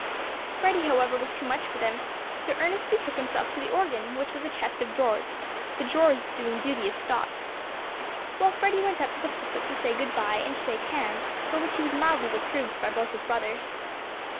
"Freddy, however, was too much for them; so Ernest betook himself to the organ, which was a chest of drawers, the drawers doing duty as stops, while Freddy went up to the pulpit to say 'Good by,' and shake hands, for which he was mildly reproved by both his brothers."